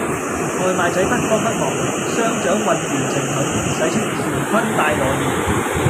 外賣仔不慌不忙，雙掌渾圓成盾，使出乾坤大挪移